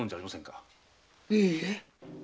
いいえ。